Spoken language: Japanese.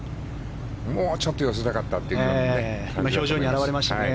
もうちょっと寄せたかったという感じがね。